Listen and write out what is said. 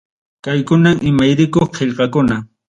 Kaykunam imayrikuq qillqakuna.